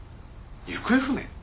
行方不明？